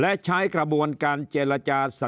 และใช้กระบวนการเจรจาสันติวิธี